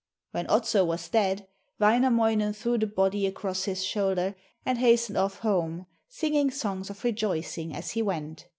When Otso was dead, Wainamoinen threw the body across his shoulder and hastened off home, singing songs of rejoicing as he went.